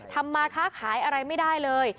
มาค้าขายอะไรไม่ได้เลย